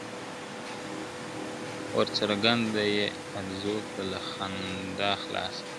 ور څرگنده یې آرزو کړه له اخلاصه `